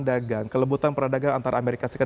dagang kelebutan peradagang antara amerika serikat